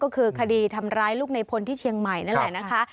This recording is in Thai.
ก็คือคดีทำร้ายลูกในพลที่เชียงใหม่นั่นแหละนะคะ